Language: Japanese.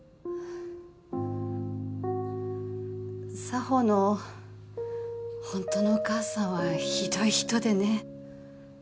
沙帆の本当のお母さんはひどい人でね。